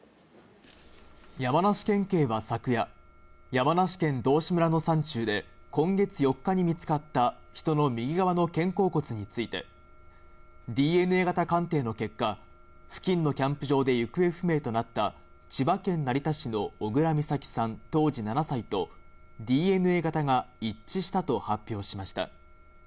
山梨県警は昨夜、山梨県道志村の山中で、今月４日に見つかった人の右側の肩甲骨について、ＤＮＡ型鑑定の結果、付近のキャンプ場で行方不明となった千葉県成田市の小倉美咲さん、当時７歳とＤＮＡ型が一致したと発表しました。